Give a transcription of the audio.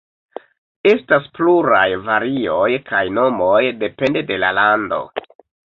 Estas pluraj varioj kaj nomoj, depende de la lando.